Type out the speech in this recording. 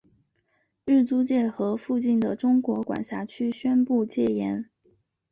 日租界和附近的中国管区宣布戒严。